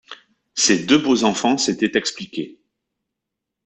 Ces deux beaux enfants s’étaient expliqués.